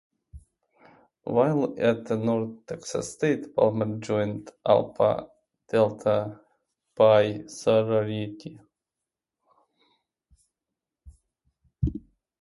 While at North Texas State, Palmer joined Alpha Delta Pi sorority.